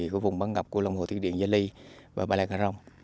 của vùng bán ngập của long hồ thiên điện gia ly và ba lê cà rông